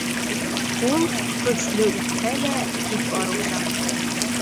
Ул, көслө үҫһә лә, тиҙ арыусан.